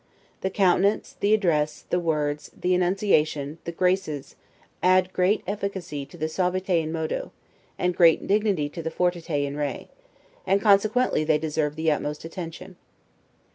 The countenance, the address, the words, the enunciation, the Graces, add great efficacy to the 'suaviter in modo', and great dignity to the 'fortiter in re', and consequently they deserve the utmost attention.